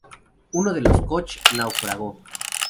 Uno de los koch naufragó.